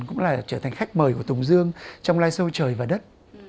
cũng là trở thành khách mời của tùng dương trong live show trời và đất